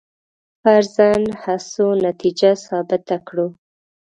فرضاً هڅو نتیجه ثابته کړو.